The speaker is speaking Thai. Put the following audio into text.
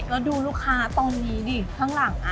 แล้วดูลูกค้าตรงนี้ดิข้างหลัง